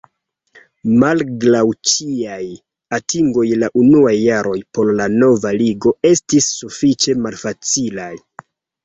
Malgraŭ ĉiaj atingoj la unuaj jaroj por la nova Ligo estis sufiĉe malfacilaj.